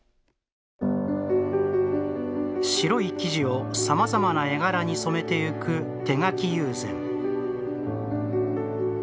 白い生地をさまざまな絵柄に染めてゆく手描き友禅。